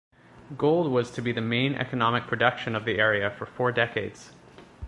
Gold was to be the main economic production of the area for four decades.